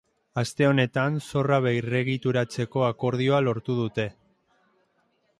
Aste honetan zorra berregituratzeko akordioa lortu dute.